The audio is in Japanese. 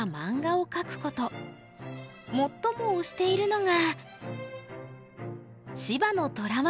最も推しているのが。